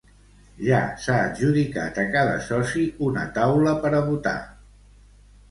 Ja s'ha adjudicat a cada soci una taula per a votar.